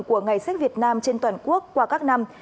của ngày sách việt nam trên toàn quốc qua các năm